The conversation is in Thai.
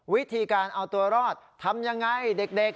วิธีการเอาตัวรอดทำยังไงเด็ก